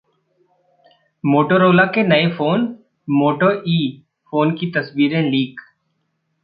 Motorola के नए phone Moto E phone की तस्वीरें लीक